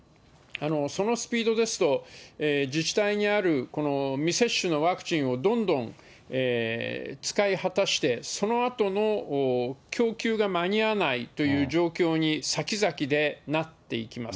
そのスピードですと、自治体にある未接種のワクチンをどんどん使い果たして、そのあとの供給が間に合わないという状況に、先々でなっていきます。